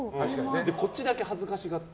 こっちだけ恥ずかしがって。